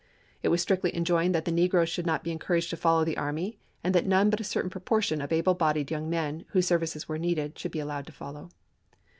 It was strictly enjoined that the negroes should not be encouraged to follow the army, and that none but a certain proportion of able bodied young men, whose services were needed, should be allowed to follow.